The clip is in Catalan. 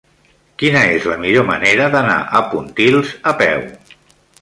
Quina és la millor manera d'anar a Pontils a peu?